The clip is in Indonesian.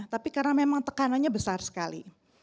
tapi karena memang tekanannya besar sekali